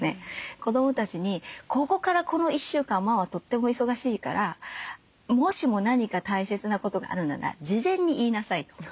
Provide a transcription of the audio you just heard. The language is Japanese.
子どもたちに「ここからこの１週間ママとっても忙しいからもしも何か大切なことがあるなら事前に言いなさい」と。